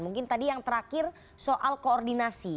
mungkin tadi yang terakhir soal koordinasi